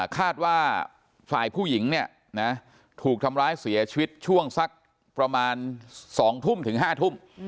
คาดว่าฝ่ายผู้หญิงเนี่ยนะถูกทำร้ายเสียชีวิตช่วงสักประมาณ๒ทุ่มถึง๕ทุ่ม